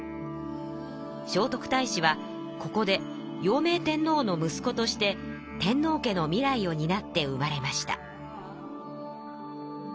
聖徳太子はここで用明天皇の息子として天皇家の未来をになって生まれました。